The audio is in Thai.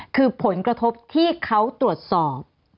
คือผลกระทบที่เขาตรวจสอบ